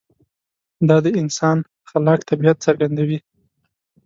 دا د انسان خلاق طبیعت څرګندوي.